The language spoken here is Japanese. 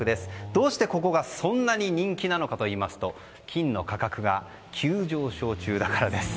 どうして、ここがそんなに人気なのかといいますと金の価格が急上昇中だからです。